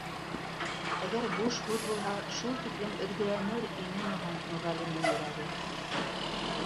Әгәр буш һүҙ булһа, шул тиклем өҙгөләнер инеме һуң Мөғәллимдең йөрәге?!